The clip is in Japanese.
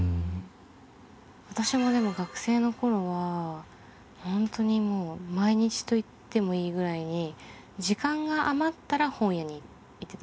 私もでも学生の頃は本当にもう毎日といってもいいぐらいに時間が余ったら本屋に行ってた。